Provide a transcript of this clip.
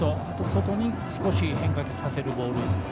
あと、外に少し変化させるボール